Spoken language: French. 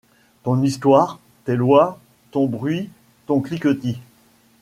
Ton histoire ! tes lois ! ton bruit ! ton cliquetis !